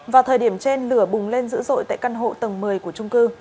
vào thời điểm trên lửa bùng lên dữ dội tại căn hộ tầng một mươi của trung cư